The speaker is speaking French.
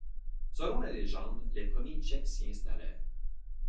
Selon la légende les premiers Tchèques s'y installèrent.